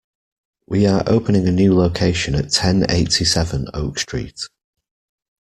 We are opening a new location at ten eighty-seven Oak Street.